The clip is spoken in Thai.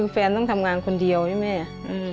แฟนต้องทำงานคนเดียวใช่ไหมแม่